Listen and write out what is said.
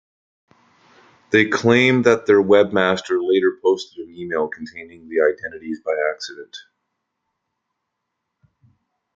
They claim that their webmaster later posted an email containing the identities by accident.